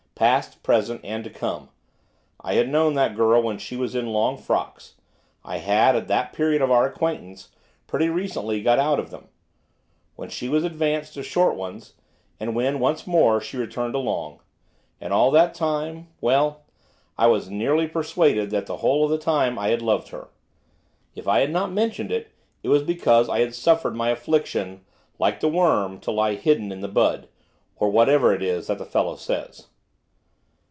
past, present, and to come! I had known that girl when she was in long frocks I had, at that period of our acquaintance, pretty recently got out of them; when she was advanced to short ones; and when, once more, she returned to long. And all that time, well, I was nearly persuaded that the whole of the time I had loved her. If I had not mentioned it, it was because I had suffered my affection, 'like the worm, to lie hidden in the bud,' or whatever it is the fellow says.